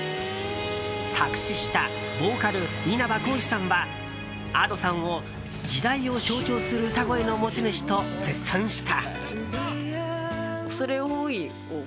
作詞したボーカル・稲葉浩志さんはＡｄｏさんを、時代を象徴する歌声の持ち主と絶賛した。